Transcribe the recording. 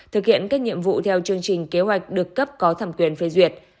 thực hiện các nhiệm vụ theo chương trình kế hoạch được cấp có thẩm quyền phê duyệt